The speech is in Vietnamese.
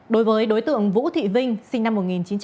đối với đối tượng vũ thị vinh sinh năm một nghìn chín trăm năm mươi hai